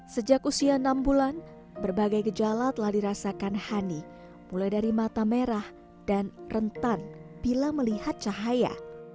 sejak usia enam bulan berbagai gejala telah dirasakan hani mulai dari mata merah dan rentan bila melihat cahaya